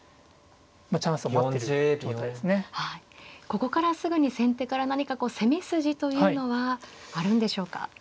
ここからすぐに先手から何かこう攻め筋というのはあるんでしょうか。